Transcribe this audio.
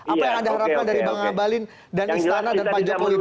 apa yang anda harapkan dari bang abalin dan istana dan pak jokowi